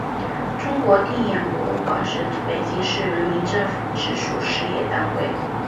中国电影博物馆是北京市人民政府直属事业单位。